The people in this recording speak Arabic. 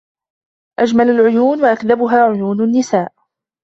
أجمل العيون وأكذبها عيون النساء.